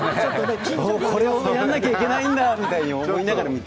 これをやんなきゃいけないんだって思いながら見て。